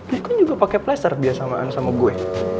lu kan juga pake plaster biasamaan sama gue